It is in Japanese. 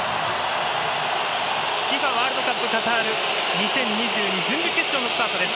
ＦＩＦＡワールドカップカタール２０２２準々決勝のスタートです。